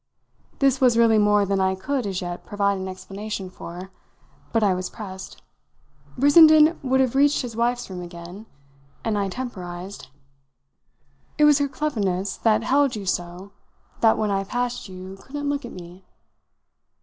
This was really more than I could as yet provide an explanation for, but I was pressed; Brissenden would have reached his wife's room again, and I temporised. "It was her cleverness that held you so that when I passed you couldn't look at me?"